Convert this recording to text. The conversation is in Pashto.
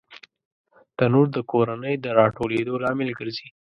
تنور د کورنۍ د راټولېدو لامل ګرځي